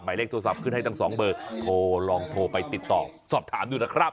เลขโทรศัพท์ขึ้นให้ทั้งสองเบอร์โทรลองโทรไปติดต่อสอบถามดูนะครับ